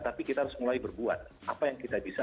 tapi kita harus mulai berbuat apa yang kita bisa